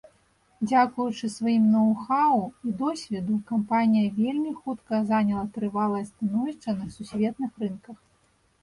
Дзякуючы сваім ноў-хаў і досведу, кампанія вельмі хутка заняла трывалае становішча на сусветных рынках.